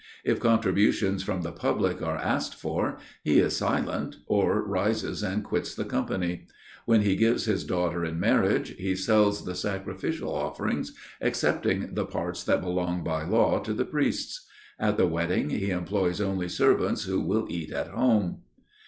If contributions from the public are asked for, he is silent or rises and quits the company. When he gives his daughter in marriage, he sells the sacrificial offerings, excepting the parts that belong by law to the priests. At the wedding, he employs only servants who will eat at home.